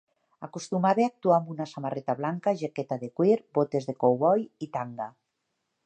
Acostumava a actuar amb una samarreta blanca, jaqueta de cuir, botes de cowboy i tanga.